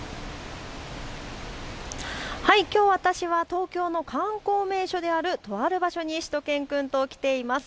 きょう私は東京の観光名所であるとある場所にしゅと犬くんと来ています。